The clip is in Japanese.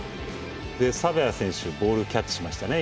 サベア選手ボールをキャッチしましたね